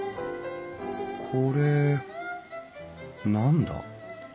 これ何だ？